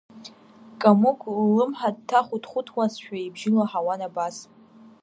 Камыгә ллымҳа дҭахәыҭхәыҭуазшәа ибжьы лаҳауан абас…